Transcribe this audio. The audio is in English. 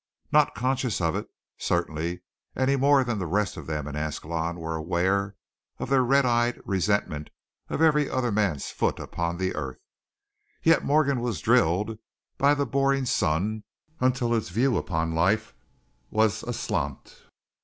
Not conscious of it, certainly, any more than the rest of them in Ascalon were aware of their red eyed resentment of every other man's foot upon the earth. Yet Morgan was drilled by the boring sun until his view upon life was aslant.